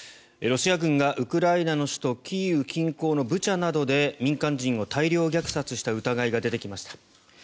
ロシア軍がウクライナの首都キーウ近郊のブチャなどで民間人を大量虐殺した疑いが出てきました。